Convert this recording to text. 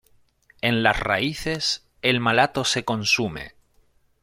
En las raíces, el malato se consume.